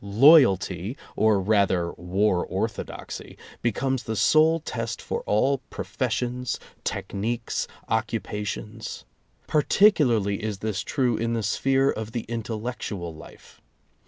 "Loyalty," or rather war orthodoxy, becomes the sole test for all professions, techniques, occupa tions. Particularly is this true in the sphere of the intellectual life.